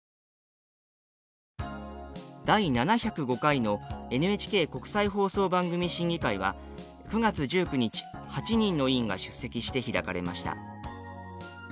第７０５回のＮＨＫ国際放送番組審議会は９月１９日８人の委員が出席して開かれました。